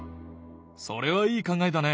それはいい考えだね。